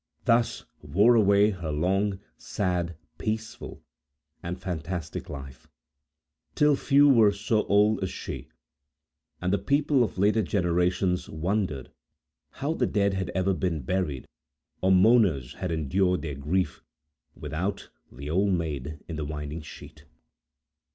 Thus wore away her long, sad, peaceful, and fantastic life, till few were so old as she, and the people of later generations wondered how the dead had ever been buried, or mourners had endured their grief, without the "Old Maid in the Winding Sheet."